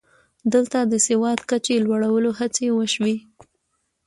دلته د سواد کچې لوړولو هڅې وشوې